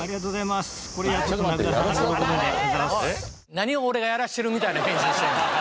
何を俺がやらしてるみたいな編集してんねん。